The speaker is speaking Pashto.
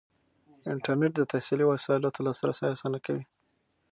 انټرنیټ د تحصیلي وسایلو ته لاسرسی اسانه کوي.